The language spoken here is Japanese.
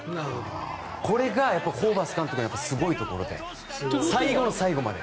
これがホーバス監督のすごいところで最後の最後まで。